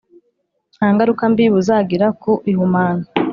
Nta ngaruka mbi buzagira ku ihumana